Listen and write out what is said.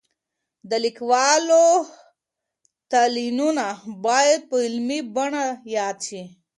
د لیکوالو تلینونه باید په علمي بڼه یاد شي.